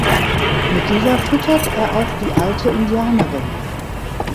Mit dieser füttert er auch die alte Indianerin.